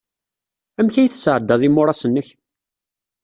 Amek ay tesɛddaḍ imuras-nnek?